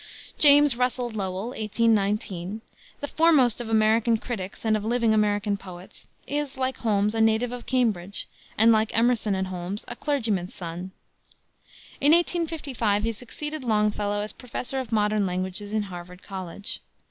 James Russell Lowell (1819 ), the foremost of American critics and of living American poets is, like Holmes, a native of Cambridge, and, like Emerson and Holmes, a clergyman's son. In 1855 he succeeded Longfellow as Professor of Modern Languages in Harvard College.